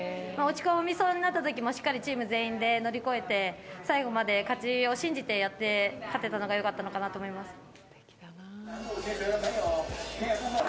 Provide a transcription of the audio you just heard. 落ち込みそうになった時にもしっかりチーム全員で乗り越えて最後まで勝ちを信じてやって勝てたのが良かったのかなと思います。